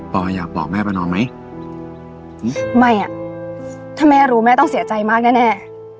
อยากบอกแม่ประนอมไหมไม่อ่ะถ้าแม่รู้แม่ต้องเสียใจมากแน่แน่